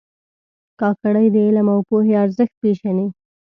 کاکړي د علم او پوهې ارزښت پېژني.